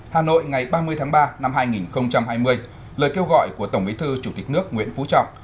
hà nội ngày ba mươi tháng ba năm hai nghìn hai mươi lời kêu gọi của tổng bí thư chủ tịch nước nguyễn phú trọng